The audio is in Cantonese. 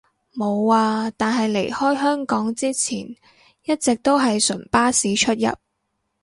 無呀，但係離開香港之前一直都係純巴士出入